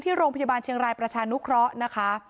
โรงพยาบาลเชียงรายประชานุเคราะห์นะคะ